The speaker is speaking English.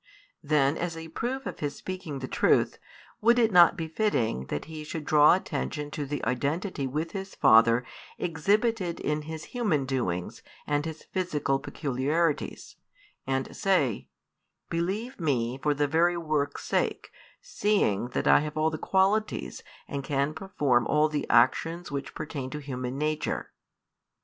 Then as a proof of his speaking the truth, would it not be fitting that he should draw attention to the identity with his father exhibited in his human doings and his physical peculiarities, and say: "Believe me for the very works' sake, seeing that I have all the qualities and can perform all the actions which pertain to human nature?"